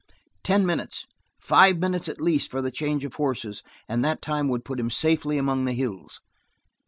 Ten minutes, five minutes at least for the change of horses, and that time would put him safety among the hills.